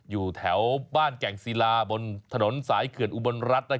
อยู่แถวบ้านแก่งศิลาบนถนนสายเขื่อนอุบลรัฐ